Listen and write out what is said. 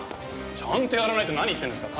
ちゃんとやらないって何言ってるんですか？